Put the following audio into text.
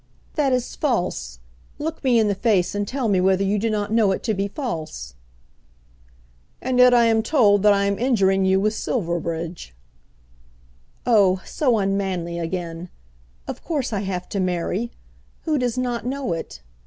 "That is false. Look me in the face and tell me whether you do not know it to be false!" "And yet I am told that I am injuring you with Silverbridge." "Oh, so unmanly again! Of course I have to marry. Who does not know it?